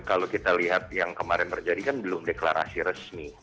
kalau kita lihat yang kemarin terjadi kan belum deklarasi resmi